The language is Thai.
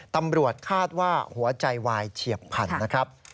ตำรวจคาดว่าหัวใจวายเฉียบพันธุ์นะครับ